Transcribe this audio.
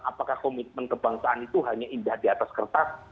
apakah komitmen kebangsaan itu hanya indah di atas kertas